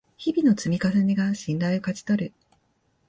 日々の積み重ねが信頼を勝ち取る